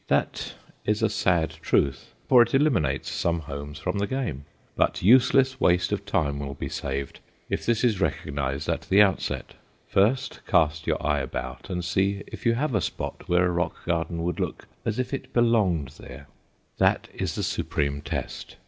That is a sad truth, for it eliminates some homes from the game; but useless waste of time will be saved if this is recognized at the outset. First cast your eye about and see if you have a spot where a rock garden would look as if it belonged there; that is the supreme test.